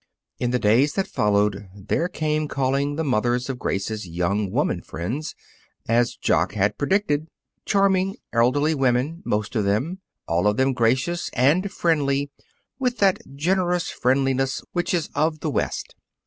In the days that followed, there came calling the mothers of Grace's young women friends, as Jock had predicted. Charming elderly women, most of them, all of them gracious and friendly with that generous friendliness which is of the West.